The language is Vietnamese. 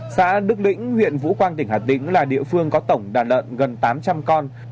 xã đức lĩnh huyện vũ quang tỉnh hà tĩnh là địa phương có tổng đàn lợn gần tám trăm linh con